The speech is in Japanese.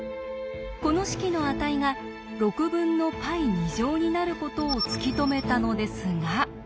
この式の値が６分のπ２乗になることを突き止めたのですが。